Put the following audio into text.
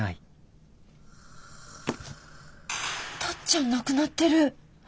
タッちゃんなくなってる！